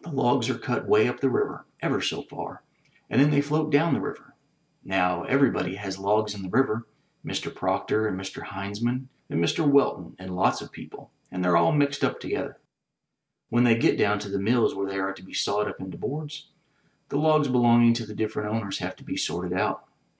"The logs are cut 'way up the river — ever so far — and then they float down the river. Now everybody has logs in the river — Mr. Proctor and Mr. Heinzman and Mr. Welton and lots of people, and they're all mixed up together. When they get down to the mills where they are to be sawed up into boards, the logs belong ing to the different owners have to be sorted out.